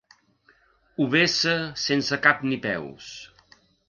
Ho vessa sense cap ni peus.